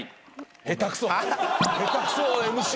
下手くそＭＣ。